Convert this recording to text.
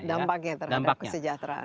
dampaknya terhadap kesejahteraan